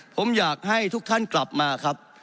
ผมอยากให้ทุกท่านกลับมาครับ